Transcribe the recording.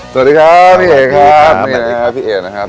สวัสดีครับพี่เอ๋ยนะครับสวัสดีครับ